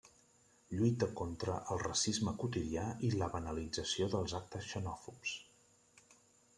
Lluita contra el racisme quotidià i la banalització dels actes xenòfobs.